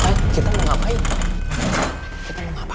saya tak pernah bert snake